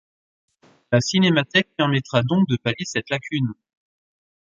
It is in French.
La Cinémathèque permettra donc de pallier cette lacune.